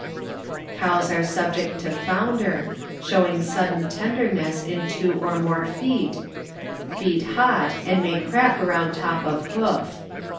Cows are subject to Founder, showing sudden tenderness in two or more feet; feet hot and may crack around t<v of hoof.